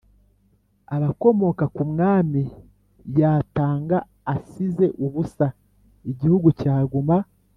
abakomoka ku mwami yatanga asize ubusa, igihugu cyaguma